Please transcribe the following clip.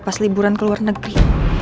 pas liburan ke luar negeri